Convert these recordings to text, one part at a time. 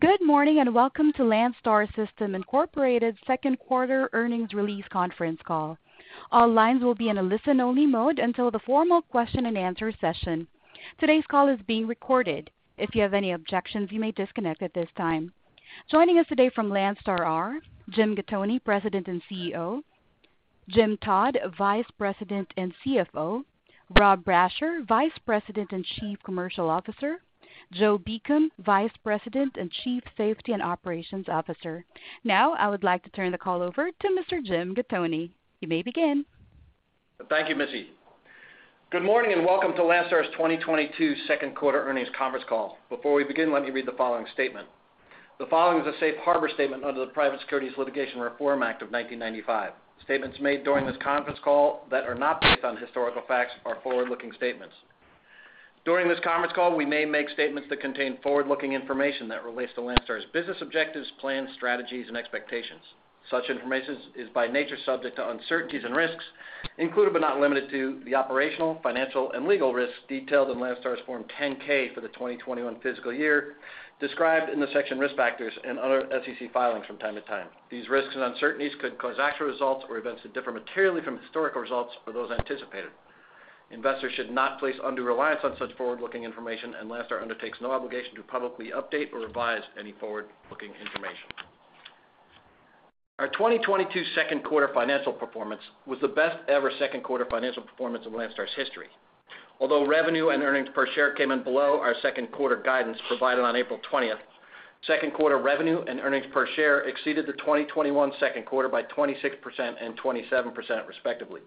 Good morning, and welcome to Landstar System, Inc's second quarter earnings release conference call. All lines will be in a listen-only mode until the formal question-and-answer session. Today's call is being recorded. If you have any objections, you may disconnect at this time. Joining us today from Landstar are Jim Gattoni, President and CEO, Jim Todd, Vice President and CFO, Rob Brasher, Vice President and Chief Commercial Officer, Joe Beacom, Vice President and Chief Safety and Operations Officer. Now, I would like to turn the call over to Mr. Jim Gattoni. You may begin. Thank you, Missy. Good morning, and welcome to Landstar's 2022 second quarter earnings conference call. Before we begin, let me read the following statement. The following is a safe harbor statement under the Private Securities Litigation Reform Act of 1995. Statements made during this conference call that are not based on historical facts are forward-looking statements. During this conference call, we may make statements that contain forward-looking information that relates to Landstar's business objectives, plans, strategies, and expectations. Such information is by nature subject to uncertainties and risks, including but not limited to the operational, financial, and legal risks detailed in Landstar's Form 10-K for the 2021 fiscal year described in the section Risk Factors and other SEC filings from time to time. These risks and uncertainties could cause actual results or events to differ materially from historical results for those anticipated. Investors should not place undue reliance on such forward-looking information, and Landstar undertakes no obligation to publicly update or revise any forward-looking information. Our 2022 second quarter financial performance was the best ever second quarter financial performance in Landstar's history. Although revenue and earnings per share came in below our second quarter guidance provided on April 20th, second quarter revenue and earnings per share exceeded the 2021 second quarter by 26% and 27%, respectively.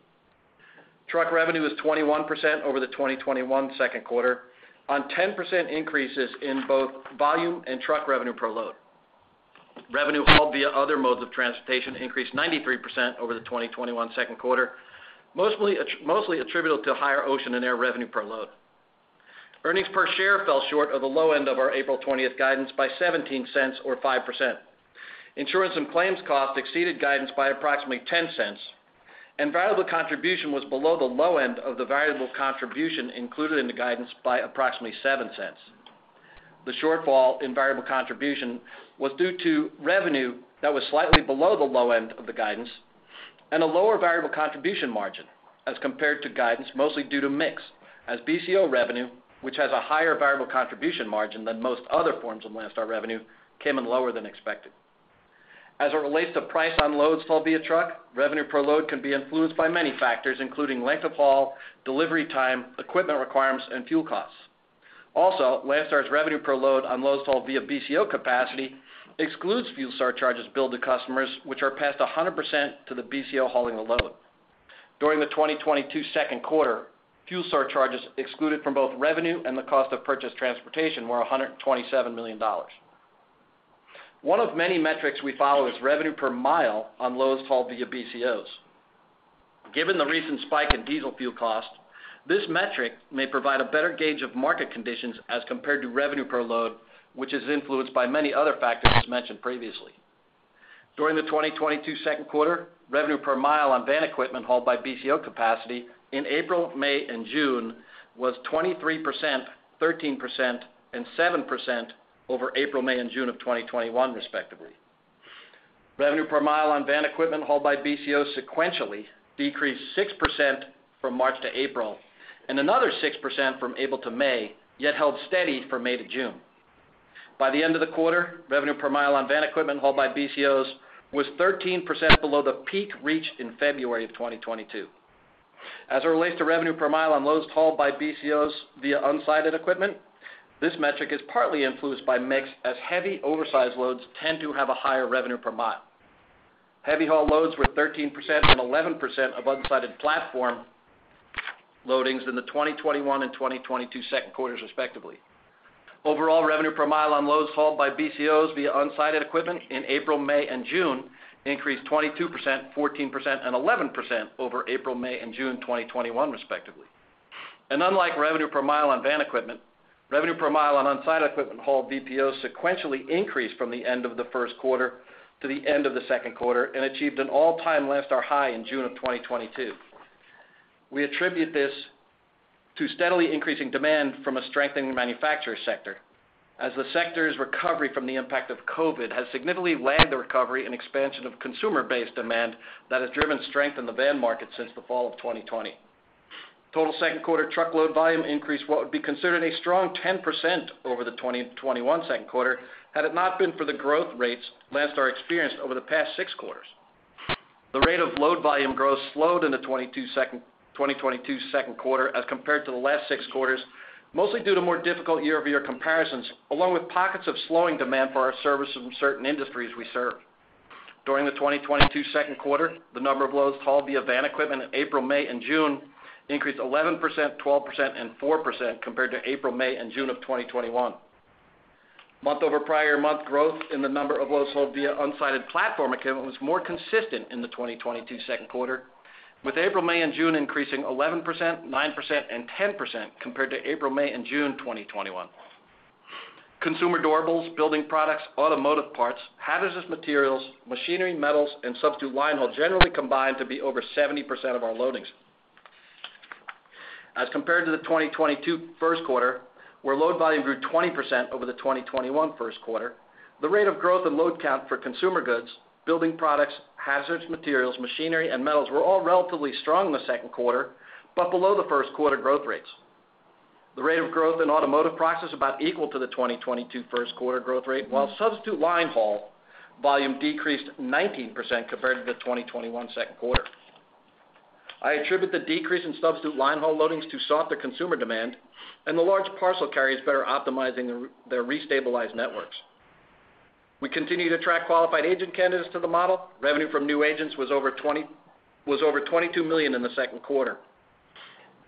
Truck revenue is 21% over the 2021 second quarter on 10% increases in both volume and truck revenue per load. Revenue from all other modes of transportation increased 93% over the 2021 second quarter, mostly attributable to higher ocean and air revenue per load. Earnings per share fell short of the low end of our April 20th guidance by $0.17 or 5%. Insurance and claims cost exceeded guidance by approximately $0.10, and variable contribution was below the low end of the variable contribution included in the guidance by approximately $0.07. The shortfall in variable contribution was due to revenue that was slightly below the low end of the guidance and a lower variable contribution margin as compared to guidance, mostly due to mix, as BCO revenue, which has a higher variable contribution margin than most other forms of Landstar revenue, came in lower than expected. As it relates to price on loads hauled via truck, revenue per load can be influenced by many factors, including length of haul, delivery time, equipment requirements, and fuel costs. Also, Landstar's revenue per load on loads hauled via BCO capacity excludes fuel surcharges billed to customers, which are passed 100% to the BCO hauling the load. During the 2022 second quarter, fuel surcharges excluded from both revenue and the cost of purchased transportation were $127 million. One of many metrics we follow is revenue per mile on loads hauled via BCOs. Given the recent spike in diesel fuel costs, this metric may provide a better gauge of market conditions as compared to revenue per load, which is influenced by many other factors mentioned previously. During the 2022 second quarter, revenue per mile on van equipment hauled by BCO capacity in April, May, and June was 23%, 13%, and 7% over April, May, and June of 2021, respectively. Revenue per mile on van equipment hauled by BCO sequentially decreased 6% from March to April and another 6% from April to May, yet held steady from May to June. By the end of the quarter, revenue per mile on van equipment hauled by BCOs was 13% below the peak reached in February of 2022. As it relates to revenue per mile on loads hauled by BCOs via unsided equipment, this metric is partly influenced by mix as heavy, oversized loads tend to have a higher revenue per mile. Heavy-haul loads were 13% and 11% of unsided platform loadings in the 2021 and 2022 second quarters, respectively. Overall, revenue per mile on loads hauled by BCOs via unsided equipment in April, May, and June increased 22%, 14%, and 11% over April, May, and June 2021, respectively. Unlike revenue per mile on van equipment, revenue per mile on unsided equipment hauled BCOs sequentially increased from the end of the first quarter to the end of the second quarter and achieved an all-time Landstar high in June of 2022. We attribute this to steadily increasing demand from a strengthening manufacturing sector as the sector's recovery from the impact of COVID has significantly lagged the recovery and expansion of consumer-based demand that has driven strength in the van market since the fall of 2020. Total second quarter truckload volume increased what would be considered a strong 10% over the 2021 second quarter had it not been for the growth rates Landstar experienced over the past six quarters. The rate of load volume growth slowed in the 2022 second quarter as compared to the last six quarters, mostly due to more difficult year-over-year comparisons, along with pockets of slowing demand for our services from certain industries we serve. During the 2022 second quarter, the number of loads hauled via van equipment in April, May, and June increased 11%, 12%, and 4% compared to April, May, and June of 2021. Month-over-month growth in the number of loads hauled via unsided platform equipment was more consistent in the 2022 second quarter, with April, May, and June increasing 11%, 9%, and 10% compared to April, May, and June 2021. Consumer durables, building products, automotive parts, hazardous materials, machinery, metals, and substitute line haul generally combine to be over 70% of our loadings. As compared to the 2022 first quarter, where load volume grew 20% over the 2021 first quarter, the rate of growth in load count for consumer goods, building products, hazardous materials, machinery, and metals were all relatively strong in the second quarter, but below the first quarter growth rates. The rate of growth in automotive prices about equal to the 2022 first quarter growth rate, while substitute line haul volume decreased 19% compared to the 2021 second quarter. I attribute the decrease in substitute line haul loadings to softer consumer demand and the large parcel carriers better optimizing their restabilized networks. We continue to attract qualified agent candidates to the model. Revenue from new agents was over $22 million in the second quarter.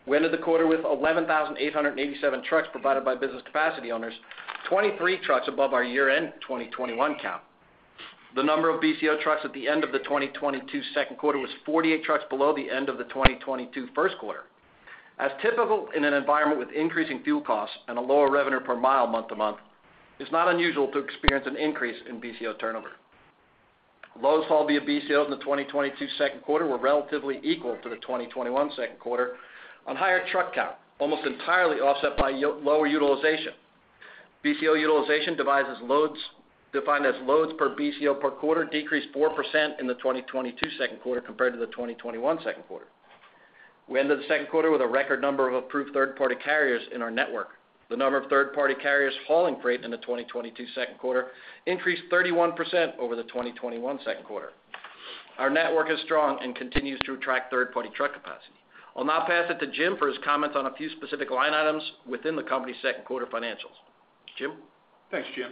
We ended the quarter with 11,887 trucks provided by business capacity owners, 23 trucks above our year-end 2021 count. The number of BCO trucks at the end of the 2022 second quarter was 48 trucks below the end of the 2022 first quarter. As typical in an environment with increasing fuel costs and a lower revenue per mile month-to-month, it's not unusual to experience an increase in BCO turnover. Loads hauled via BCO in the 2022 second quarter were relatively equal to the 2021 second quarter on higher truck count, almost entirely offset by lower utilization. BCO utilization, divided as loads, defined as loads per BCO per quarter, decreased 4% in the 2022 second quarter compared to the 2021 second quarter. We ended the second quarter with a record number of approved third-party carriers in our network. The number of third-party carriers hauling freight in the 2022 second quarter increased 31% over the 2021 second quarter. Our network is strong and continues to attract third-party truck capacity. I'll now pass it to Jim for his comments on a few specific line items within the company's second quarter financials. Jim? Thanks, Jim.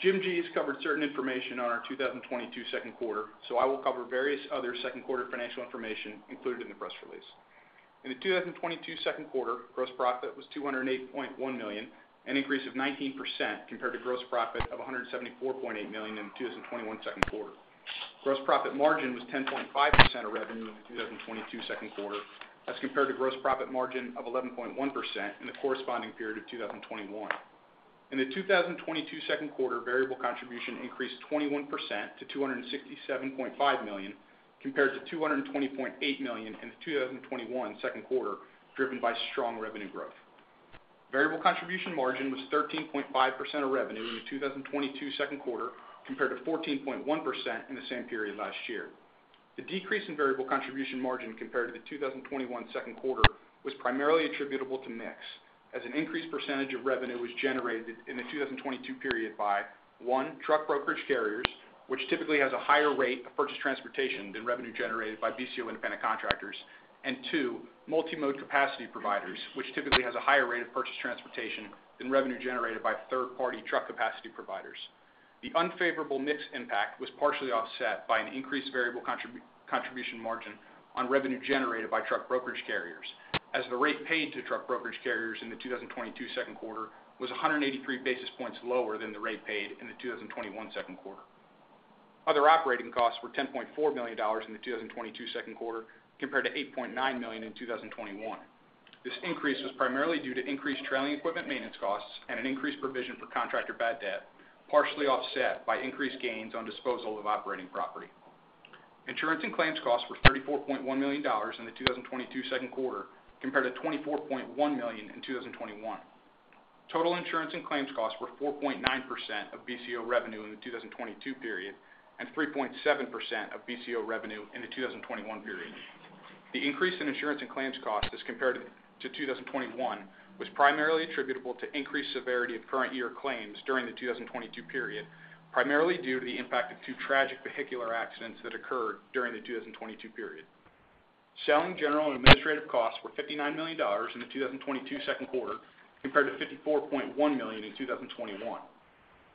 Jim G. has covered certain information on our 2022 second quarter, I will cover various other second quarter financial information included in the press release. In the 2022 second quarter, gross profit was $208.1 million, an increase of 19% compared to gross profit of $174.8 million in 2021 second quarter. Gross profit margin was 10.5% of revenue in the 2022 second quarter as compared to gross profit margin of 11.1% in the corresponding period of 2021. In the 2022 second quarter, variable contribution increased 21% to $267.5 million, compared to $220.8 million in the 2021 second quarter, driven by strong revenue growth. Variable contribution margin was 13.5% of revenue in the 2022 second quarter compared to 14.1% in the same period last year. The decrease in variable contribution margin compared to the 2021 second quarter was primarily attributable to mix, as an increased percentage of revenue was generated in the 2022 period by, one, truck brokerage carriers, which typically has a higher rate of purchased transportation than revenue generated by BCO independent contractors. And two, multimode capacity providers, which typically has a higher rate of purchased transportation than revenue generated by third-party truck capacity providers. The unfavorable mix impact was partially offset by an increased variable contribution margin on revenue generated by truck brokerage carriers, as the rate paid to truck brokerage carriers in the 2022 second quarter was 183 basis points lower than the rate paid in the 2021 second quarter. Other operating costs were $10.4 million in the 2022 second quarter compared to $8.9 million in 2021. This increase was primarily due to increased trailing equipment maintenance costs and an increased provision for contractor bad debt, partially offset by increased gains on disposal of operating property. Insurance and claims costs were $34.1 million in the 2022 second quarter compared to $24.1 million in 2021. Total insurance and claims costs were 4.9% of BCO revenue in the 2022 period and 3.7% of BCO revenue in the 2021 period. The increase in insurance and claims costs as compared to 2021 was primarily attributable to increased severity of current year claims during the 2022 period, primarily due to the impact of two tragic vehicular accidents that occurred during the 2022 period. Selling, general, and administrative costs were $59 million in the 2022 second quarter compared to $54.1 million in 2021.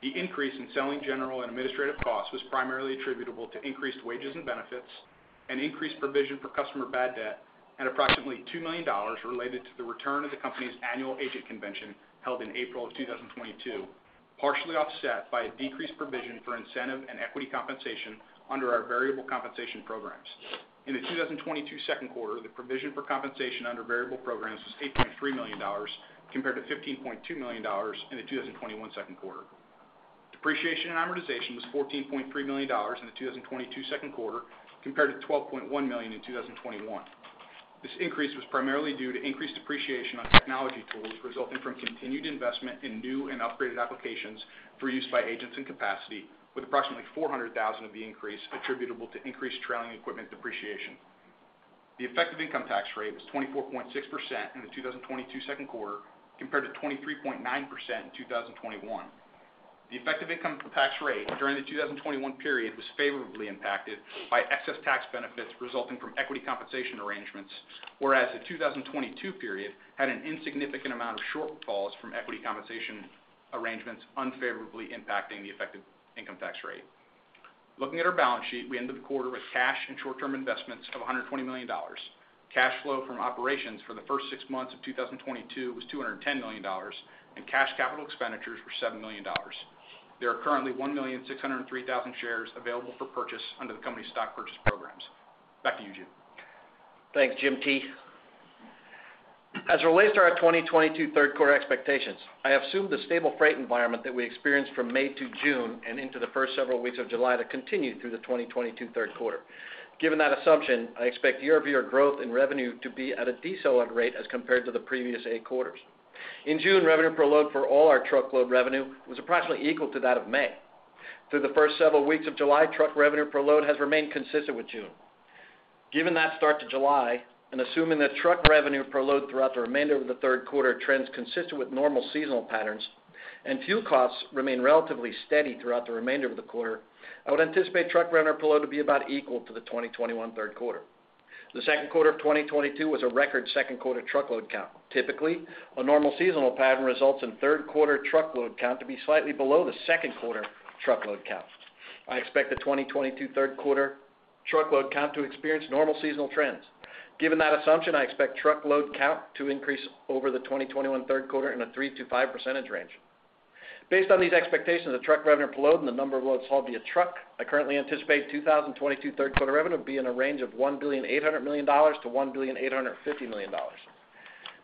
The increase in selling, general, and administrative costs was primarily attributable to increased wages and benefits, an increased provision for customer bad debt, and approximately $2 million related to the return of the company's annual agent convention held in April of 2022, partially offset by a decreased provision for incentive and equity compensation under our variable compensation programs. In the 2022 second quarter, the provision for compensation under variable programs was $8.3 million compared to $15.2 million in the 2021 second quarter. Depreciation and amortization was $14.3 million in the 2022 second quarter compared to $12.1 million in 2021. This increase was primarily due to increased depreciation on technology tools resulting from continued investment in new and upgraded applications for use by agents and capacity, with approximately $400,000 of the increase attributable to increased trailing equipment depreciation. The effective income tax rate was 24.6% in the 2022 second quarter compared to 23.9% in 2021. The effective income tax rate during the 2021 period was favorably impacted by excess tax benefits resulting from equity compensation arrangements, whereas the 2022 period had an insignificant amount of shortfalls from equity compensation arrangements unfavorably impacting the effective income tax rate. Looking at our balance sheet, we ended the quarter with cash and short-term investments of $120 million. Cash flow from operations for the first six months of 2022 was $210 million, and cash capital expenditures were $7 million. There are currently 1,603,000 shares available for purchase under the company's stock purchase programs. Back to you, Jim. Thanks, Jim T. As it relates to our 2022 third quarter expectations, I assume the stable freight environment that we experienced from May to June and into the first several weeks of July to continue through the 2022 third quarter. Given that assumption, I expect year-over-year growth in revenue to be at a decelerating rate as compared to the previous eight quarters. In June, revenue per load for all our truckload revenue was approximately equal to that of May. Through the first several weeks of July, truckload revenue per load has remained consistent with June. Given the start of July, and assuming that truck revenue per load throughout the remainder of the third quarter trends consistent with normal seasonal patterns and fuel costs remain relatively steady throughout the remainder of the quarter, I would anticipate truck revenue per load to be about equal to the 2021 third quarter. The second quarter of 2022 was a record second quarter truckload count. Typically, a normal seasonal pattern results in third quarter truckload count to be slightly below the second quarter truckload count. I expect the 2022 third quarter truckload count to experience normal seasonal trends. Given that assumption, I expect truckload count to increase over the 2021 third quarter in a 3%-5% range. Based on these expectations of truck revenue per load and the number of loads hauled via truck, I currently anticipate 2022 third quarter revenue to be in a range of $1.8 billion-$1.85 billion.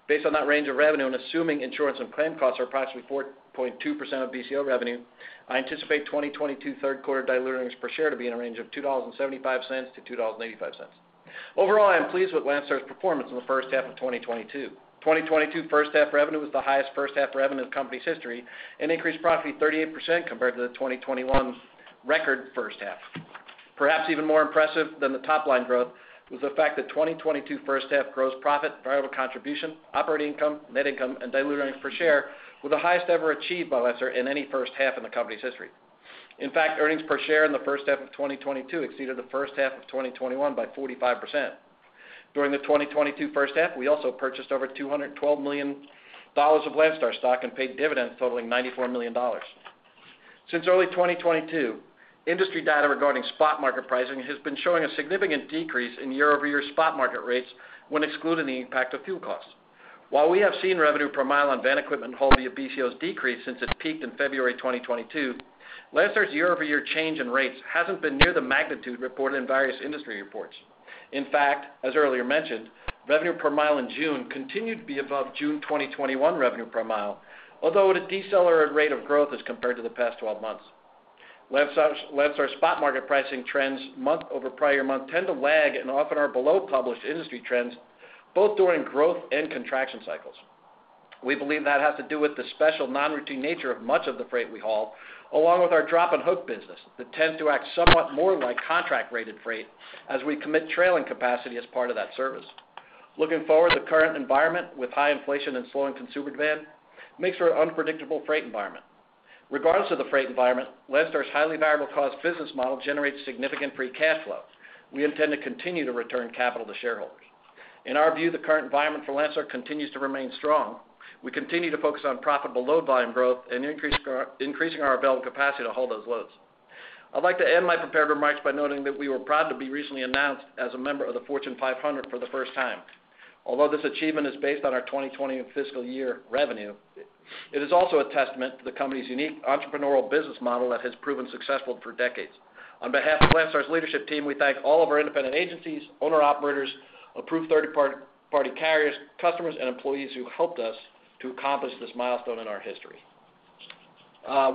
Based on that range of revenue and assuming insurance and claim costs are approximately 4.2% of BCO revenue, I anticipate 2022 third quarter diluted earnings per share to be in a range of $2.75-$2.85. Overall, I am pleased with Landstar's performance in the first half of 2022. 2022 first half revenue was the highest first half revenue in the company's history and increased profitably 38% compared to the 2021's record first half. Perhaps even more impressive than the top line growth was the fact that 2022 first half gross profit, variable contribution, operating income, net income, and diluted earnings per share were the highest ever achieved by Landstar in any first half in the company's history. In fact, earnings per share in the first half of 2022 exceeded the first half of 2021 by 45%. During the 2022 first half, we also purchased over $212 million of Landstar stock and paid dividends totaling $94 million. Since early 2022, industry data regarding spot market pricing has been showing a significant decrease in year-over-year spot market rates when excluding the impact of fuel costs. While we have seen revenue per mile on van equipment hauled via BCOs decrease since it peaked in February 2022, Landstar's year-over-year change in rates hasn't been near the magnitude reported in various industry reports. In fact, as earlier mentioned, revenue per mile in June continued to be above June 2021 revenue per mile, although at a decelerated rate of growth as compared to the past 12 months. Landstar's spot market pricing trends month-over-month tend to lag and often are below published industry trends, both during growth and contraction cycles. We believe that has to do with the special non-routine nature of much of the freight we haul, along with our drop and hook business that tend to act somewhat more like contract rated freight as we commit trailer capacity as part of that service. Looking forward, the current environment with high inflation and slowing consumer demand makes for an unpredictable freight environment. Regardless of the freight environment, Landstar's highly variable cost business model generates significant free cash flow. We intend to continue to return capital to shareholders. In our view, the current environment for Landstar continues to remain strong. We continue to focus on profitable load volume growth and increasing our available capacity to haul those loads. I'd like to end my prepared remarks by noting that we were proud to be recently announced as a member of the Fortune 500 for the first time. Although this achievement is based on our 2020 fiscal year revenue, it is also a testament to the company's unique entrepreneurial business model that has proven successful for decades. On behalf of Landstar's leadership team, we thank all of our independent agencies, owner-operators, approved third-party carriers, customers, and employees who helped us to accomplish this milestone in our history.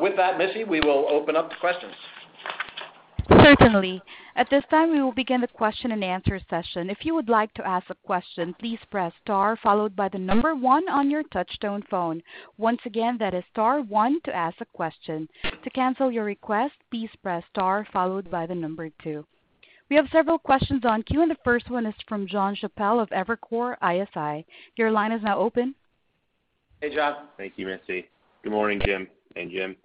With that, Missy, we will open up to questions. Certainly. At this time, we will begin the question and answer session. If you would like to ask a question, please press star followed by the number one on your touchtone phone. Once again, that is star one to ask a question. To cancel your request, please press star followed by the number two. We have several questions in queue, and the first one is from Jon Chappell of Evercore ISI. Your line is now open. Hey, Jon. Thank you, Missy. Good morning, Jim and Jim.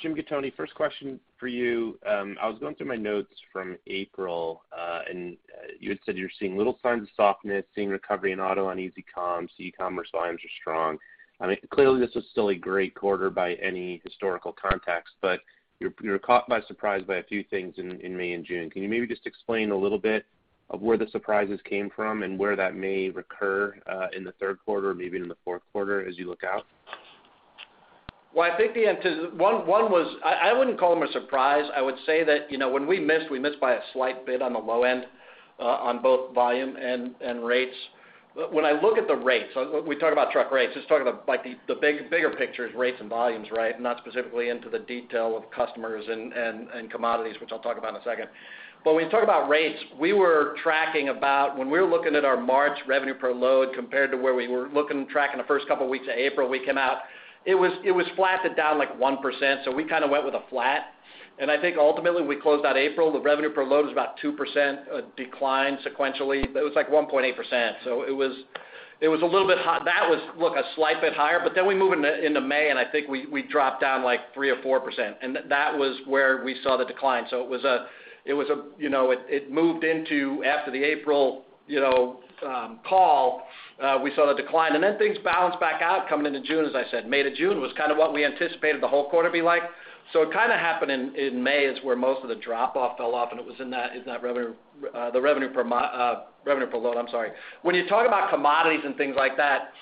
Jim Gattoni, first question for you. I was going through my notes from April, and you had said you're seeing little signs of softness, seeing recovery in auto on easy comps, e-commerce volumes are strong. I mean, clearly this is still a great quarter by any historical context, but you're caught by surprise by a few things in May and June. Can you maybe just explain a little bit of where the surprises came from and where that may recur in the third quarter, maybe even in the fourth quarter as you look out? I think one was I wouldn't call them a surprise. I would say that, you know, when we missed, we missed by a slight bit on the low end, on both volume and rates. When I look at the rates, we talk about truck rates, let's talk about like the bigger picture is rates and volumes, right? Not specifically into the detail of customers and commodities, which I'll talk about in a second. When you talk about rates, we were tracking when we were looking at our March revenue per load compared to where we were looking at the first couple weeks of April we came out, it was flat to down like 1%, so we kinda went with a flat. I think ultimately, we closed out April, the revenue per load was about 2% decline sequentially. It was like 1.8%. It was a little bit high. That was, look, a slight bit higher. Then we move into May, and I think we dropped down like 3%-4%, and that was where we saw the decline. It was a, you know, it moved into after the April, you know, call. We saw the decline. Then things balanced back out coming into June, as I said. May to June was kind of what we anticipated the whole quarter be like. It kinda happened in May is where most of the drop-off fell off, and it was in that revenue per load, I'm sorry. When you talk about commodities and things like that,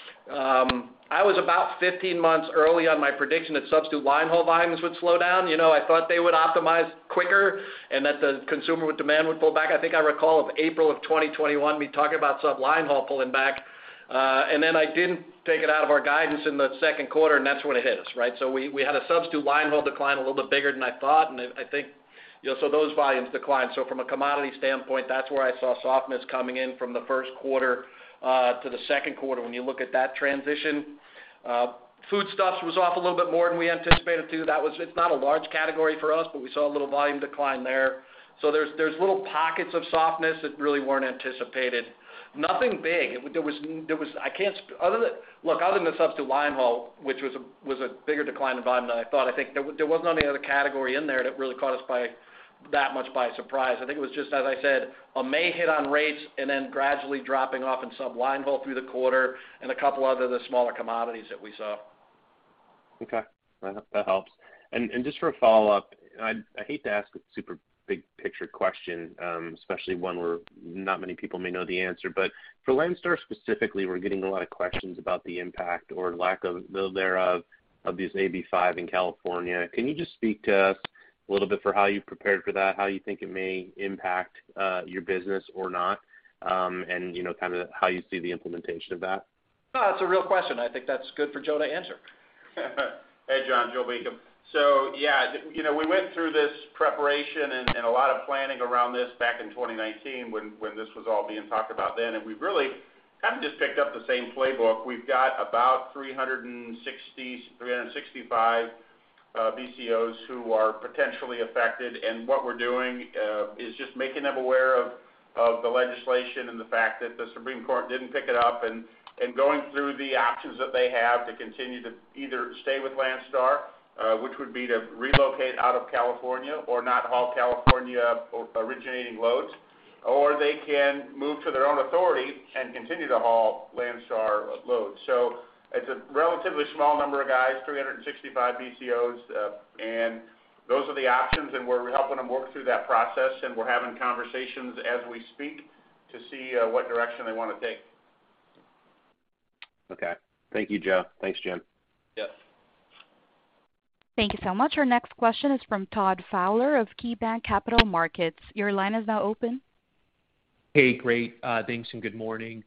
I was about 15 months early on my prediction that substitute line haul volumes would slow down. You know, I thought they would optimize quicker, and that the consumer demand would pull back. I think I recall in April 2021, we talked about sub line haul pulling back. And then I didn't take it out of our guidance in the second quarter, and that's when it hit us, right? We had a substitute line haul decline a little bit bigger than I thought, and I think you know, so those volumes declined. From a commodity standpoint, that's where I saw softness coming in from the first quarter to the second quarter when you look at that transition. Food stuffs was off a little bit more than we anticipated too. It's not a large category for us, but we saw a little volume decline there. There are little pockets of softness that really weren't anticipated. Nothing big. There was other than the substitute line haul, which was a bigger decline in volume than I thought, I think there was no other category in there that really caught us by that much by surprise. I think it was just, as I said, a mild hit on rates and then gradually dropping off in some line haul through the quarter and a couple of the other smaller commodities that we saw. Okay. That helps. Just for a follow-up, I hate to ask a super big picture question, especially one where not many people may know the answer, but for Landstar specifically, we're getting a lot of questions about the impact or lack thereof of this AB 5 in California. Can you just speak to us a little bit about how you prepared for that? How you think it may impact your business or not? You know, kind of how you see the implementation of that? No, that's a real question. I think that's good for Joe to answer. Hey, Jon, Joe Beacom. Yeah, you know, we went through this preparation and a lot of planning around this back in 2019 when this was all being talked about then, and we've really kind of just picked up the same playbook. We've got about 365 BCOs who are potentially affected, and what we're doing is just making them aware of the legislation and the fact that the Supreme Court didn't pick it up, and going through the options that they have to continue to either stay with Landstar, which would be to relocate out of California or not haul California or originating loads, or they can move to their own authority and continue to haul Landstar loads. It's a relatively small number of guys, 365 BCOs. Those are the options, and we're helping them work through that process, and we're having conversations as we speak to see what direction they wanna take. Okay. Thank you, Joe. Thanks, Jim. Yes. Thank you so much. Our next question is from Todd Fowler of KeyBanc Capital Markets. Your line is now open. Hey, great. Thanks, and good morning.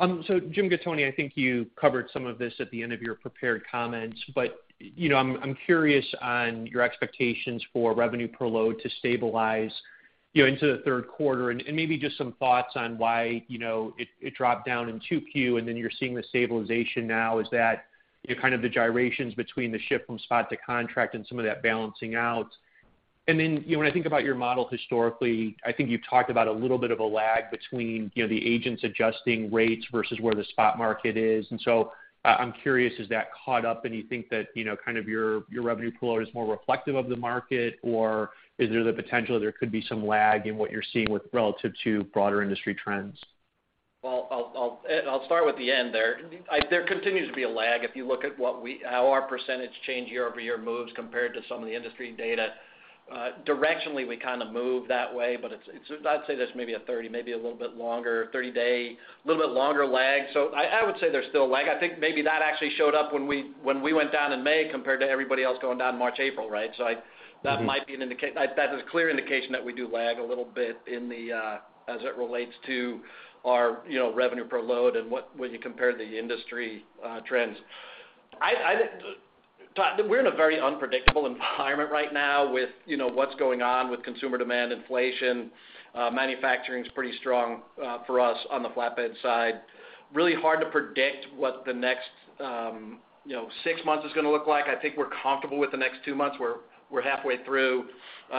So Jim Gattoni, I think you covered some of this at the end of your prepared comments, but you know, I'm curious on your expectations for revenue per load to stabilize, you know, into the third quarter, and maybe just some thoughts on why, you know, it dropped down in 2Q, and then you're seeing the stabilization now. Is that, you know, kind of the gyrations between the shift from spot to contract and some of that balancing out? And then, you know, when I think about your model historically, I think you've talked about a little bit of a lag between, you know, the agents adjusting rates versus where the spot market is. And so I'm curious, has that caught up? You think that, you know, kind of your revenue per load is more reflective of the market, or is there the potential there could be some lag in what you're seeing relative to broader industry trends? I'll start with the end there. There continues to be a lag if you look at how our percentage change year-over-year moves compared to some of the industry data. Directionally, we kinda move that way, but it's, I'd say that's maybe a 30, maybe a little bit longer, 30-day, little bit longer lag. I would say there's still a lag. I think maybe that actually showed up when we went down in May compared to everybody else going down March, April, right? That is clear indication that we do lag a little bit in the as it relates to our, you know, revenue per load and what, when you compare the industry trends. I. Todd, we're in a very unpredictable environment right now with, you know, what's going on with consumer demand, inflation. Manufacturing's pretty strong for us on the flatbed side. Really hard to predict what the next, you know, six months is gonna look like. I think we're comfortable with the next two months. We're halfway through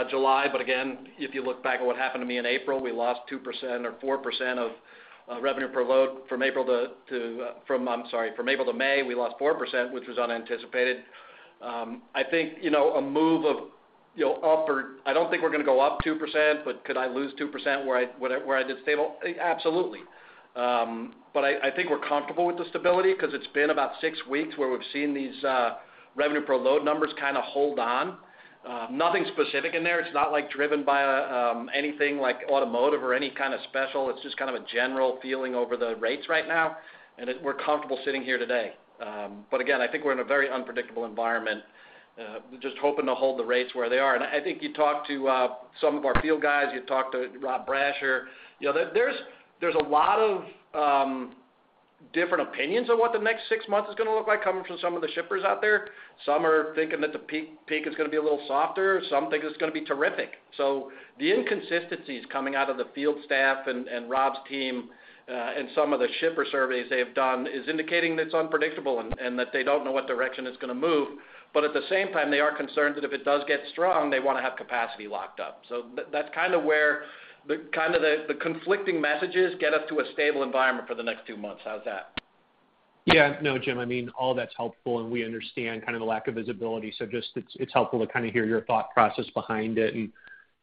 July. Again, if you look back at what happened to me in April, we lost 2% or 4% of revenue per load from April to May, we lost 4%, which was unanticipated. I think, you know, a move of, you know, up or I don't think we're gonna go up 2%, but could I lose 2% where I did stable? Absolutely. I think we're comfortable with the stability 'cause it's been about six weeks where we've seen these revenue per load numbers kinda hold on. Nothing specific in there. It's not like driven by anything like automotive or any kind of special. It's just kind of a general feeling over the rates right now, and we're comfortable sitting here today. Again, I think we're in a very unpredictable environment, just hoping to hold the rates where they are. I think you talk to some of our field guys, you talk to Rob Brasher, you know, there's a lot of different opinions on what the next six months is gonna look like coming from some of the shippers out there. Some are thinking that the peak is gonna be a little softer, some think it's gonna be terrific. The inconsistencies coming out of the field staff and Rob's team and some of the shipper surveys they have done is indicating that it's unpredictable and that they don't know what direction it's gonna move. At the same time, they are concerned that if it does get strong, they wanna have capacity locked up. That's kinda where the conflicting messages get us to a stable environment for the next two months. How's that? Yeah. No, Jim, I mean, all that's helpful, and we understand kind of the lack of visibility. Just it's helpful to kinda hear your thought process behind it.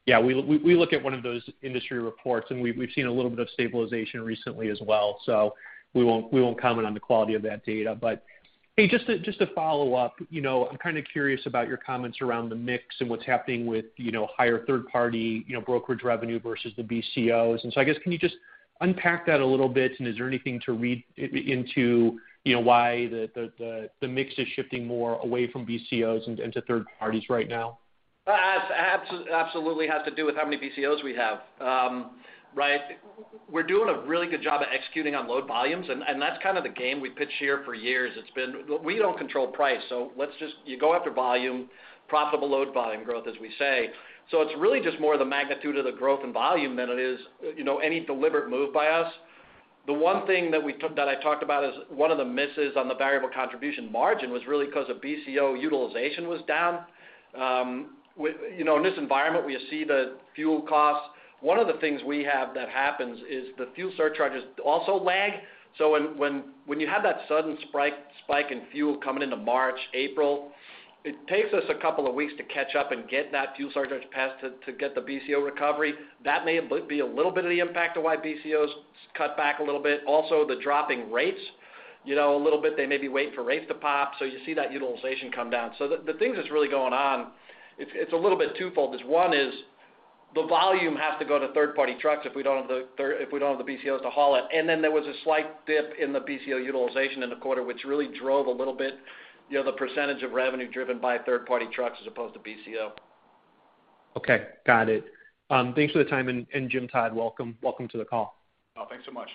Yeah, we look at one of those industry reports, and we've seen a little bit of stabilization recently as well. We won't comment on the quality of that data. Hey, just to follow up, you know, I'm kinda curious about your comments around the mix and what's happening with, you know, higher third party, you know, brokerage revenue versus the BCOs. I guess, can you just unpack that a little bit, and is there anything to read into, you know, why the mix is shifting more away from BCOs and to third parties right now? It absolutely has to do with how many BCOs we have. Right? We're doing a really good job at executing on load volumes, and that's kind of the game we pitched here for years. It's been we don't control price, so let's just go after volume, profitable load volume growth, as we say. It's really just more the magnitude of the growth and volume than it is, you know, any deliberate move by us. The one thing that I talked about is one of the misses on the variable contribution margin was really because of BCO utilization was down. With, you know, in this environment, we see the fuel costs. One of the things we have that happens is the fuel surcharges also lag. When you have that sudden spike in fuel coming into March, April, it takes us a couple of weeks to catch up and get that fuel surcharge passed to get the BCO recovery. That may be a little bit of the impact of why BCO's cut back a little bit. Also, the dropping rates, you know, a little bit, they may be waiting for rates to pop, so you see that utilization come down. The things that's really going on, it's a little bit twofold. 'Cause one is the volume has to go to third-party trucks if we don't have the BCOs to haul it. Then there was a slight dip in the BCO utilization in the quarter, which really drove a little bit, you know, the percentage of revenue driven by third-party trucks as opposed to BCO. Okay. Got it. Thanks for the time. Jim Todd, welcome to the call. Oh, thanks so much.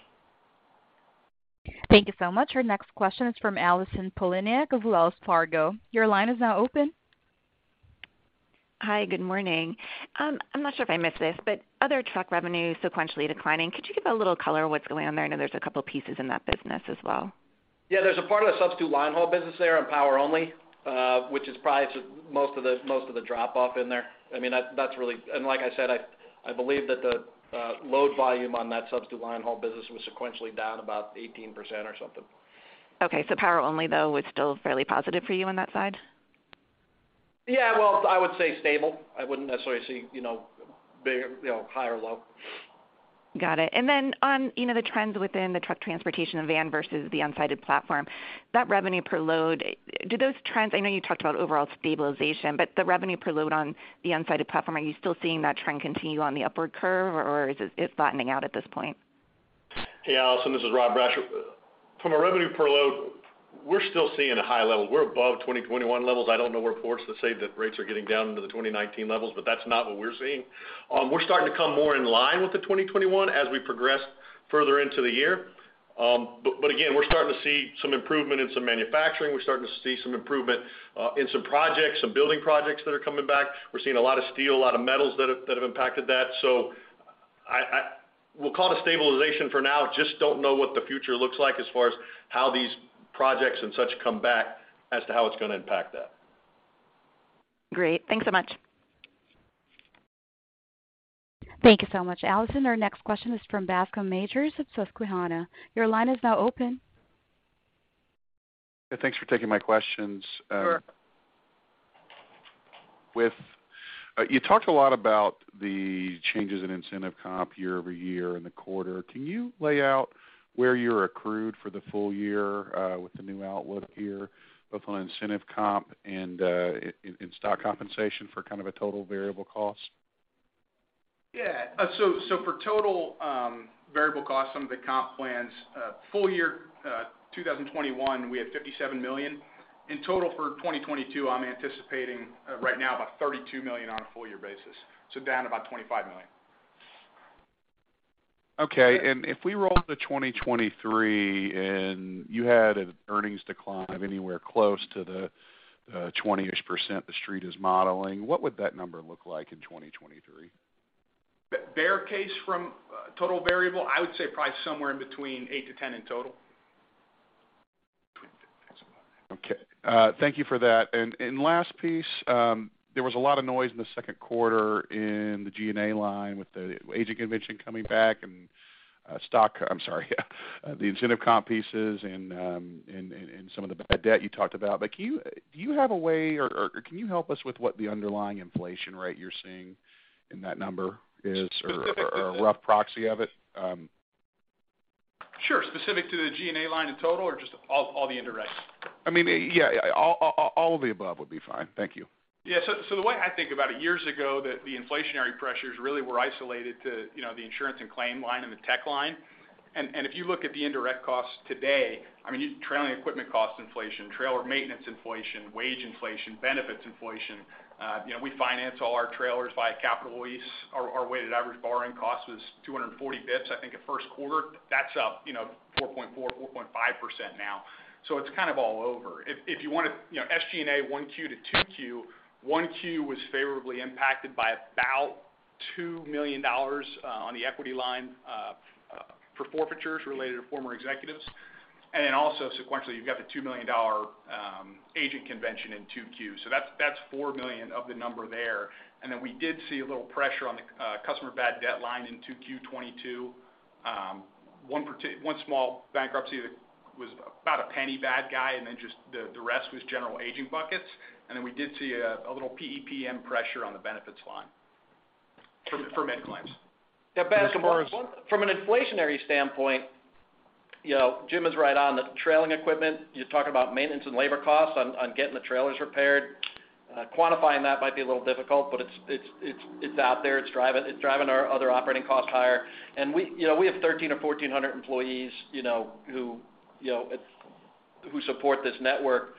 Thank you so much. Our next question is from Allison Poliniak of Wells Fargo. Your line is now open. Hi, good morning. I'm not sure if I missed this, but other truck revenue sequentially declining. Could you give a little color on what's going on there? I know there's a couple pieces in that business as well. Yeah, there's a part of the substitute line haul business there and power only, which is probably to most of the drop off in there. I mean, that's really. Like I said, I believe that the load volume on that substitute line haul business was sequentially down about 18% or something. Okay. Power only, though, was still fairly positive for you on that side? Yeah. Well, I would say stable. I wouldn't necessarily say, you know, you know, high or low. Got it. On, you know, the trends within the truck transportation and van versus the unsided platform, that revenue per load, do those trends, I know you talked about overall stabilization, but the revenue per load on the unsided platform, are you still seeing that trend continue on the upward curve or is it's flattening out at this point? Hey, Allison, this is Rob Brasher. From a revenue per load, we're still seeing a high level. We're above 2021 levels. I don't know reports that say that rates are getting down into the 2019 levels, but that's not what we're seeing. We're starting to come more in line with the 2021 as we progress further into the year. Again, we're starting to see some improvement in some manufacturing. We're starting to see some improvement in some projects, some building projects that are coming back. We're seeing a lot of steel, a lot of metals that have impacted that. We'll call it a stabilization for now. Just don't know what the future looks like as far as how these projects and such come back as to how it's gonna impact that. Great. Thanks so much. Thank you so much, Allison. Our next question is from Bascome Majors at Susquehanna. Your line is now open. Yeah, thanks for taking my questions. Sure. You talked a lot about the changes in incentive comp year-over-year in the quarter. Can you lay out where you're accrued for the full year with the new outlook here, both on incentive comp and in stock compensation for kind of a total variable cost? For total variable costs, some of the comp plans, full year 2021, we had $57 million. In total for 2022, I'm anticipating right now about $32 million on a full year basis, so down about $25 million. Okay. If we roll to 2023 and you had an earnings decline anywhere close to the 20%-ish the street is modeling, what would that number look like in 2023? Bear case from total variable, I would say probably somewhere in between 8-10 in total. Okay. Thank you for that. Last piece, there was a lot of noise in the second quarter in the G&A line with the agent convention coming back and the incentive comp pieces and some of the bad debt you talked about. Do you have a way or can you help us with what the underlying inflation rate you're seeing in that number is? Specifically. A rough proxy of it? Sure. Specific to the G&A line in total or just all the indirects? I mean, yeah, all of the above would be fine. Thank you. Yeah. The way I think about it, years ago the inflationary pressures really were isolated to, you know, the insurance and claim line and the tech line. If you look at the indirect costs today, I mean, trailing equipment cost inflation, trailer maintenance inflation, wage inflation, benefits inflation. You know, we finance all our trailers by a capital lease. Our weighted average borrowing cost was 240 basis points, I think, at first quarter. That's up, you know, 4.4%-4.5% now. It's kind of all over. If you want to, you know, SG&A 1Q to 2Q, 1Q was favorably impacted by about $2 million on the equity line for forfeitures related to former executives. Then also sequentially, you've got the $2 million agent convention in 2Q. That's $4 million of the number there. We did see a little pressure on the customer bad debt line in 2Q 2022. One small bankruptcy that was about a penny bad debt, and then just the rest was general aging buckets. We did see a little PEPM pressure on the benefits line for med claims. Yeah, Bascome, from an inflationary standpoint, you know, Jim is right on the trailing equipment. You're talking about maintenance and labor costs on getting the trailers repaired. Quantifying that might be a little difficult, but it's out there. It's driving our other operating costs higher. We, you know, we have 1,300 or 1,400 employees, you know, who support this network.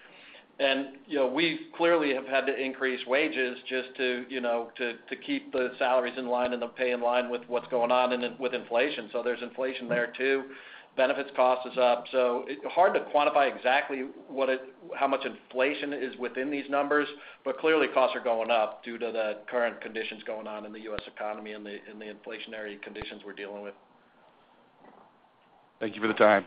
You know, we clearly have had to increase wages just to, you know, to keep the salaries in line and the pay in line with what's going on with inflation. There's inflation there too. Benefits cost is up. It's hard to quantify exactly how much inflation is within these numbers, but clearly costs are going up due to the current conditions going on in the U.S. economy and the inflationary conditions we're dealing with. Thank you for the time.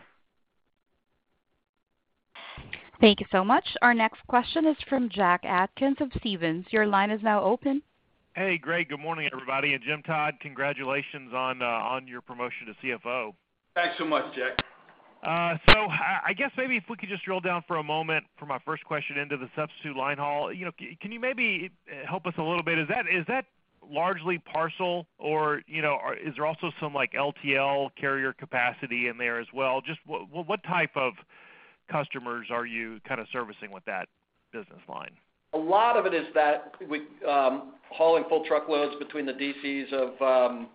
Thank you so much. Our next question is from Jack Atkins of Stephens. Your line is now open. Hey, Greg. Good morning, everybody. Jim Todd, congratulations on your promotion to CFO. Thanks so much, Jack. I guess maybe if we could just drill down for a moment for my first question into the substitute line haul. You know, can you maybe help us a little bit? Is that largely parcel or, you know, or is there also some like LTL carrier capacity in there as well? Just what type of customers are you kinda servicing with that business line? A lot of it is that we are hauling full truckloads between the DCs of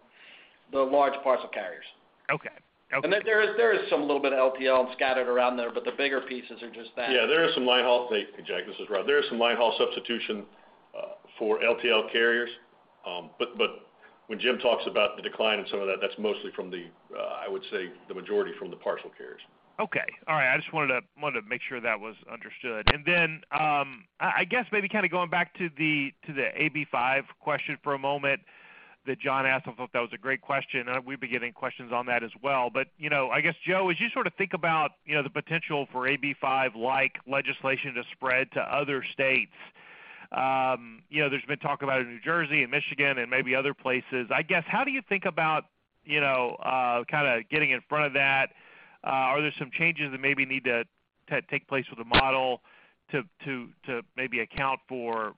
the large parcel carriers. Okay. Okay. There is some little bit of LTL scattered around there, but the bigger pieces are just that. Yeah, there is some line haul. Hey, Jack, this is Rob. There is some line haul substitution for LTL carriers. But when Jim talks about the decline in some of that's mostly from the, I would say the majority from the parcel carriers. Okay. All right. I just wanted to make sure that was understood. I guess maybe kinda going back to the AB 5 question for a moment that Jon asked. I thought that was a great question, and we've been getting questions on that as well. You know, I guess, Joe, as you sort of think about the potential for AB 5-like legislation to spread to other states. You know, there's been talk about it in New Jersey and Michigan and maybe other places. I guess, how do you think about kinda getting in front of that? Are there some changes that maybe need to take place with the model to maybe account for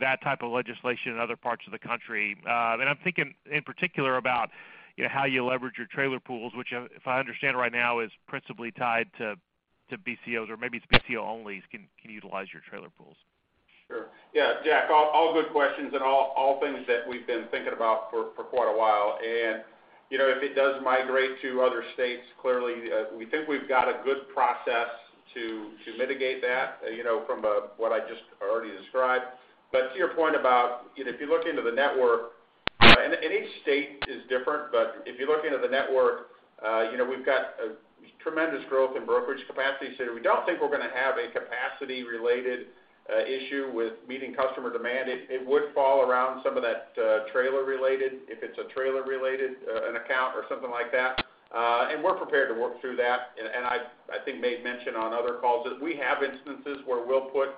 that type of legislation in other parts of the country? I'm thinking in particular about, you know, how you leverage your trailer pools, which, if I understand right now, is principally tied to BCOs or maybe it's BCO only can utilize your trailer pools. Sure. Yeah, Jack, all good questions and all things that we've been thinking about for quite a while. You know, if it does migrate to other states, clearly, we think we've got a good process to mitigate that, you know, from what I just already described. To your point about, you know, if you look into the network, and each state is different, but if you look into the network, you know, we've got a tremendous growth in brokerage capacity. We don't think we're gonna have a capacity-related issue with meeting customer demand. It would fall around some of that trailer-related, if it's a trailer-related an account or something like that. We're prepared to work through that. I think made mention on other calls that we have instances where we'll put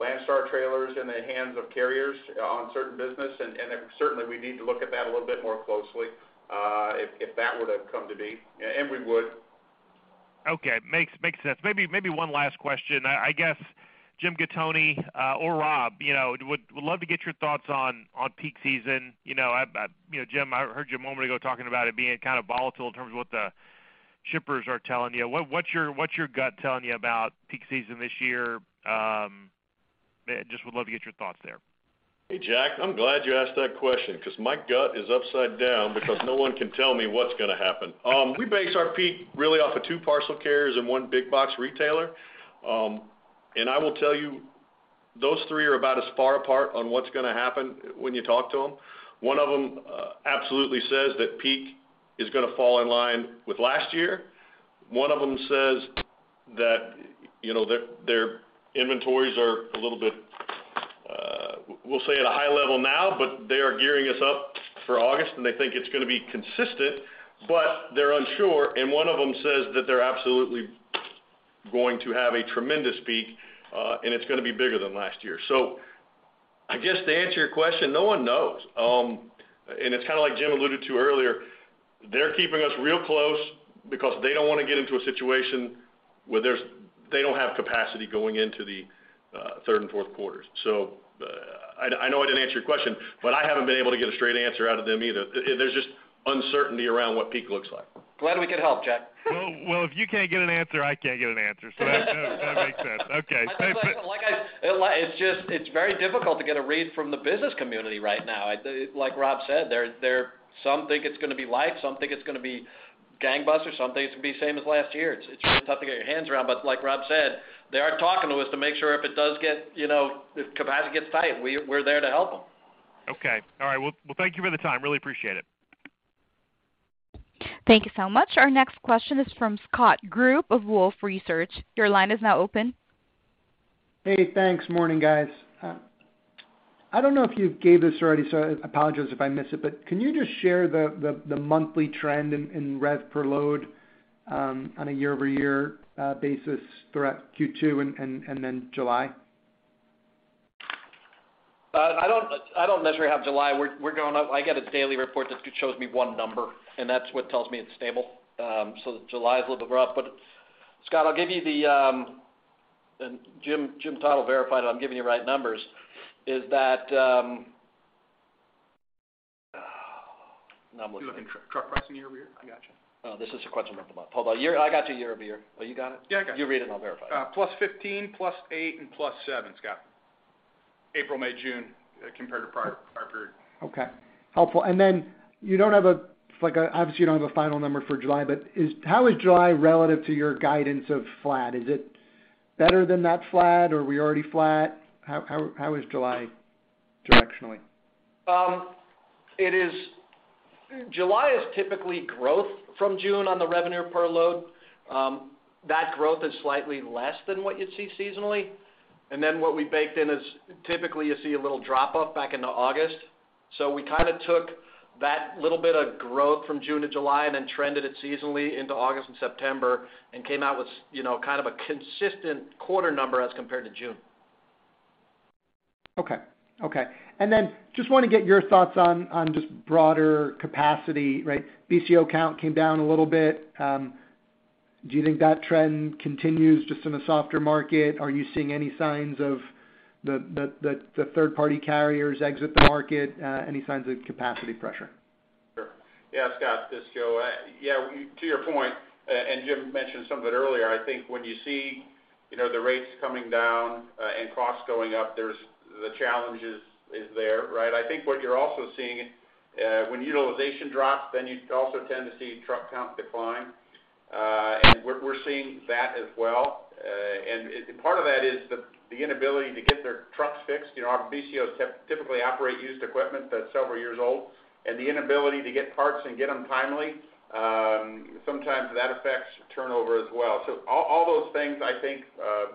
Landstar trailers in the hands of carriers on certain business, and certainly we need to look at that a little bit more closely, if that were to come to be, and we would. Okay. Makes sense. Maybe one last question. I guess, Jim Gattoni, or Rob, you know, would love to get your thoughts on peak season. You know, Jim, I heard you a moment ago talking about it being kind of volatile in terms of what the shippers are telling you. What's your gut telling you about peak season this year? Just would love to get your thoughts there. Hey, Jack, I'm glad you asked that question 'cause my gut is upside down because no one can tell me what's gonna happen. We base our peak really off of two parcel carriers and one big box retailer. I will tell you, those three are about as far apart on what's gonna happen when you talk to them. One of them absolutely says that peak is gonna fall in line with last year. One of them says that, you know, their inventories are a little bit, we'll say at a high level now, but they are gearing us up for August, and they think it's gonna be consistent, but they're unsure. One of them says that they're absolutely going to have a tremendous peak, and it's gonna be bigger than last year. I guess to answer your question, no one knows. It's kinda like Jim alluded to earlier. They're keeping us real close because they don't wanna get into a situation where they don't have capacity going into the third and fourth quarters. I know I didn't answer your question, but I haven't been able to get a straight answer out of them either. There's just uncertainty around what peak looks like. Glad we could help, Jack. Well, if you can't get an answer, I can't get an answer. That makes sense. Okay. It's just, it's very difficult to get a read from the business community right now. Like Rob said, some think it's gonna be light, some think it's gonna be gangbusters, some think it's gonna be same as last year. It's really tough to get your hands around. Like Rob said, they are talking to us to make sure if it does get, you know, if capacity gets tight, we're there to help them. Okay. All right. Well, thank you for the time. Really appreciate it. Thank you so much. Our next question is from Scott Group of Wolfe Research. Your line is now open. Hey, thanks. Morning, guys. I don't know if you gave this already, so I apologize if I miss it, but can you just share the monthly trend in rev per load on a year-over-year basis throughout Q2 and then July? I don't necessarily have July. We're going up. I get a daily report that shows me one number, and that's what tells me it's stable. July is a little bit rough. Scott, I'll give you the and Jim Todd will verify that I'm giving you right numbers. Now I'm looking. You're looking at truck pricing year-over-year? I got you. Oh, this is the question I'm about. Hold on. I got you year-over-year. Oh, you got it? Yeah, I got it. You read it, and I'll verify. +15%, +8%, and +7%, Scott. April, May, June compared to prior period. Okay. Helpful. Then obviously, you don't have a final number for July, but how is July relative to your guidance of flat? Is it better than that flat, or we're already flat? How is July directionally? July is typically growth from June on the revenue per load. That growth is slightly less than what you'd see seasonally. What we baked in is typically you see a little drop off back into August. We kind of took that little bit of growth from June to July and then trended it seasonally into August and September and came out with, you know, kind of a consistent quarter number as compared to June. Okay. Just want to get your thoughts on just broader capacity, right? BCO count came down a little bit. Do you think that trend continues just in a softer market? Are you seeing any signs of the third-party carriers exit the market? Any signs of capacity pressure? Sure. Yeah, Scott, this is Joe. Yeah, to your point, and Jim mentioned some of it earlier, I think when you see, you know, the rates coming down, and costs going up, there's the challenge is there, right? I think what you're also seeing, when utilization drops, then you also tend to see truck count decline. We're seeing that as well. Part of that is the inability to get their trucks fixed. You know, our BCOs typically operate used equipment that's several years old, and the inability to get parts and get them timely, sometimes that affects turnover as well. All those things, I think,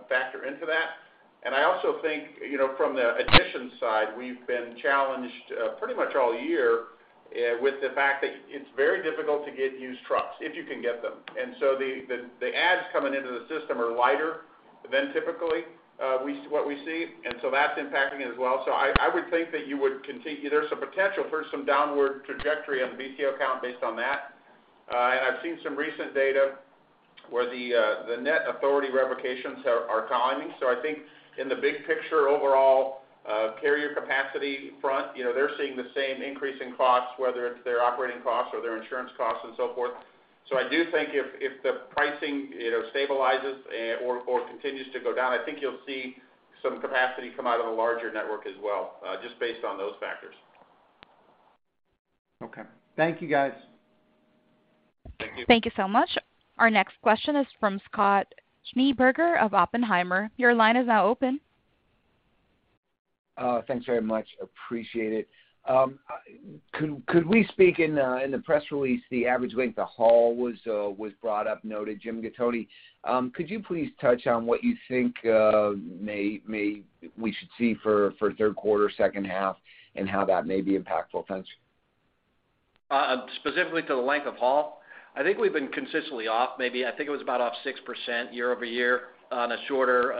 factor into that. I also think, you know, from the addition side, we've been challenged, pretty much all year, with the fact that it's very difficult to get used trucks, if you can get them. The adds coming into the system are lighter than typically what we see. That's impacting it as well. I would think that you would continue. There's some potential for some downward trajectory on the BCO count based on that. I've seen some recent data where the net authority revocations are climbing. I think in the big picture overall, carrier capacity front, you know, they're seeing the same increase in costs, whether it's their operating costs or their insurance costs and so forth. I do think if the pricing, you know, stabilizes or continues to go down, I think you'll see some capacity come out of a larger network as well, just based on those factors. Okay. Thank you, guys. Thank you. Thank you so much. Our next question is from Scott Schneeberger of Oppenheimer. Your line is now open. Thanks very much. Appreciate it. Could we speak in the press release, the average length of haul was brought up, noted, Jim Gattoni. Could you please touch on what you think may we should see for third quarter, second half, and how that may be impactful? Thanks. Specifically to the length of haul, I think we've been consistently off maybe I think it was about off 6% year-over-year on a shorter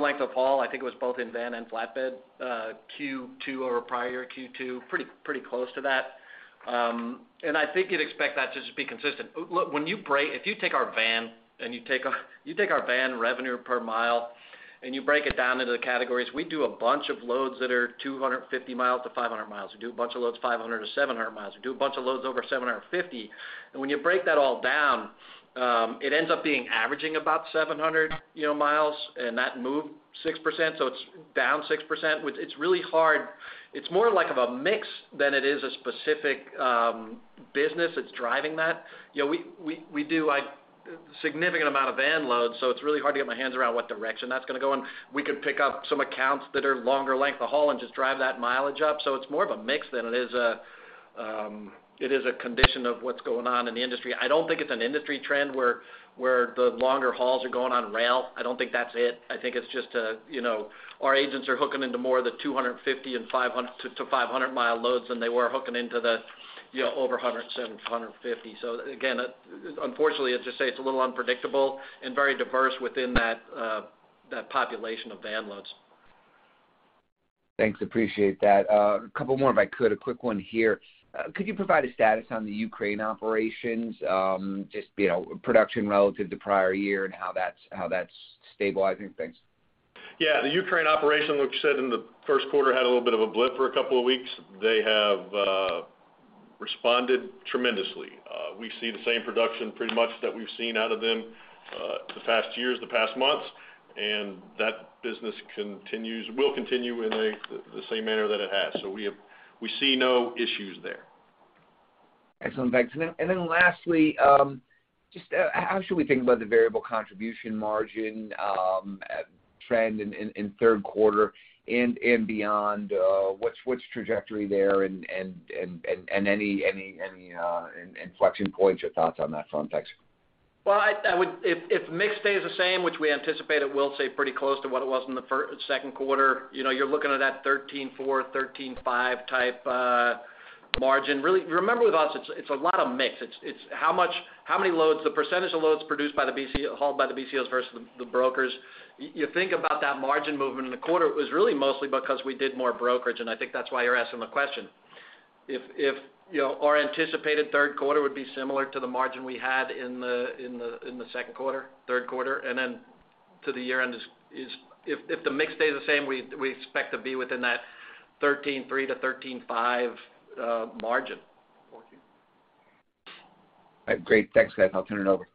length of haul. I think it was both in van and flatbed, Q2 over prior Q2, pretty close to that. I think you'd expect that just to be consistent. Look, if you take our van revenue per mile, and you break it down into the categories, we do a bunch of loads that are 250 mi-500 mi. We do a bunch of loads 500 mi-700 mi. We do a bunch of loads over 750 mi. When you break that all down, it ends up being averaging about 700 mi, and that moved 6%, so it's down 6%, which is really hard. It's more like of a mix than it is a specific business that's driving that. You know, we do, like, significant amount of van loads, so it's really hard to get my hands around what direction that's gonna go in. We could pick up some accounts that are longer length of haul and just drive that mileage up. It's more of a mix than it is a condition of what's going on in the industry. I don't think it's an industry trend where the longer hauls are going on rail. I don't think that's it. I think it's just, you know, our agents are hooking into more of the 250 mi-500 mi loads than they were hooking into the, you know, over 107 mi-150 mi. Again, unfortunately, I'd just say it's a little unpredictable and very diverse within that population of van loads. Thanks. Appreciate that. A couple more, if I could. A quick one here. Could you provide a status on the Ukraine operations, just, you know, production relative to prior year and how that's stabilizing things? Yeah. The Ukraine operation, which said in the first quarter, had a little bit of a blip for a couple of weeks. They have responded tremendously. We see the same production pretty much that we've seen out of them the past years, the past months, and that business continues, will continue in the same manner that it has. We see no issues there. Excellent. Thanks. Lastly, just how should we think about the variable contribution margin trend in third quarter and beyond? What's trajectory there and any inflection points or thoughts on that front? Thanks. I would if mix stays the same, which we anticipate it will stay pretty close to what it was in the second quarter, you know, you're looking at that 13.4%-13.5% type margin. Really, remember with us, it's a lot of mix. It's how much, how many loads, the percentage of loads produced by the BCO, hauled by the BCOs versus the brokers. You think about that margin movement in the quarter, it was really mostly because we did more brokerage, and I think that's why you're asking the question. If you know, our anticipated third quarter would be similar to the margin we had in the second quarter, third quarter, and then to the year end is if the mix stays the same, we expect to be within that 13.3%-13.5% margin for Q3. All right. Great. Thanks, guys. I'll turn it over.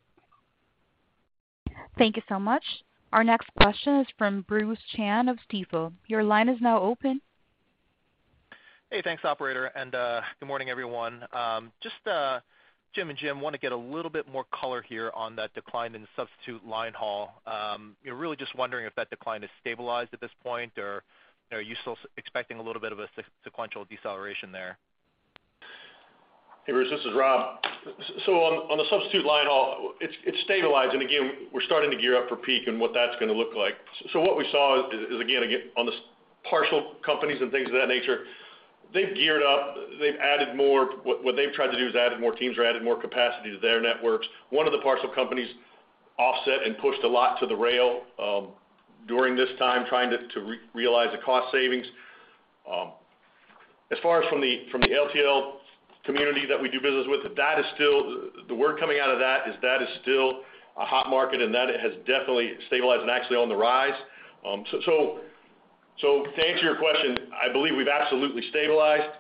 Thank you so much. Our next question is from Bruce Chan of Stifel. Your line is now open. Hey, thanks, operator. Good morning, everyone. Just Jim and Jim want to get a little bit more color here on that decline in substitute line haul. You know, really just wondering if that decline has stabilized at this point, or are you still expecting a little bit of a sequential deceleration there? Hey, Bruce, this is Rob. So on the substitute line haul, it's stabilizing. Again, we're starting to gear up for peak and what that's gonna look like. What we saw is again on this parcel companies and things of that nature, they've geared up, they've added more. What they've tried to do is added more teams or added more capacity to their networks. One of the parcel companies offset and pushed a lot to the rail during this time trying to realize the cost savings. As far as from the LTL community that we do business with, the word coming out of that is that it is still a hot market, and that has definitely stabilized and actually on the rise. To answer your question, I believe we've absolutely stabilized,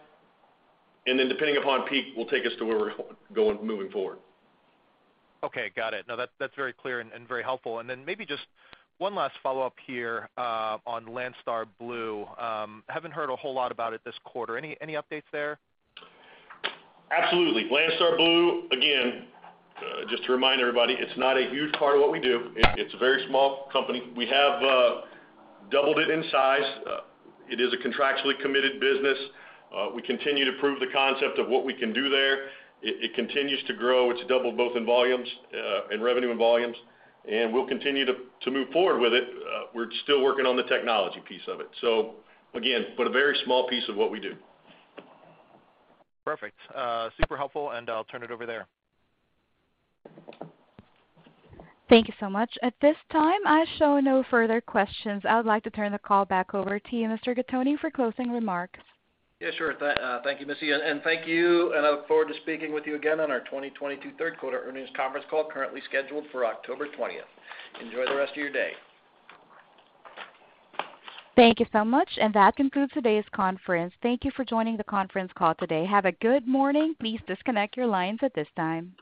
and then depending upon peak, will take us to where we're going moving forward. Okay. Got it. No, that's very clear and very helpful. Maybe just one last follow-up here, on Landstar Blue. Haven't heard a whole lot about it this quarter. Any updates there? Absolutely. Landstar Blue, again, just to remind everybody, it's not a huge part of what we do. It's a very small company. We have doubled it in size. It is a contractually committed business. We continue to prove the concept of what we can do there. It continues to grow. It's doubled both in volumes, in revenue and volumes, and we'll continue to move forward with it. We're still working on the technology piece of it. Again, but a very small piece of what we do. Perfect. Super helpful, and I'll turn it over there. Thank you so much. At this time, I show no further questions. I would like to turn the call back over to you, Mr. Gattoni, for closing remarks. Yeah, sure. Thank you, Missy. Thank you, and I look forward to speaking with you again on our 2022 third quarter earnings conference call, currently scheduled for October 20th. Enjoy the rest of your day. Thank you so much. That concludes today's conference. Thank you for joining the conference call today. Have a good morning. Please disconnect your lines at this time.